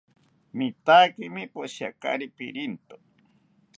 Mitaakimi poshiakari pirinto